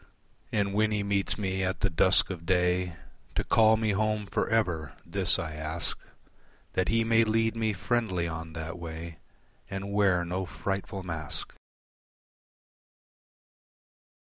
And when he meets me at the dusk of day To call me home for ever, this I ask That he may lead me friendly on that way And wear no frightful mask.